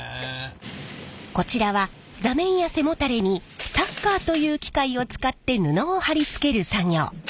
こちらは座面や背もたれにタッカーという機械を使って布を張り付ける作業。